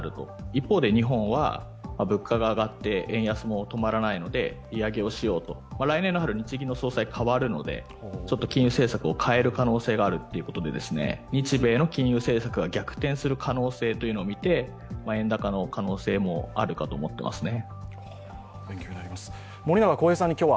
一方で日本は物価が上がって円安も止まらないので利上げをしようと、来年の春、日銀の総裁が代わるのでちょっと金融政策を変える可能性があるということで日米の金融政策が逆転する可能性というのを見て円高の可能性もあるかと思ってますね。